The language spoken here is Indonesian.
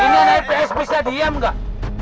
ini anak ps bisa diam gak